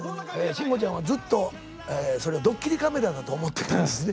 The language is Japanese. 慎吾ちゃんはずっとそれどっきりカメラだと思ってたんですね。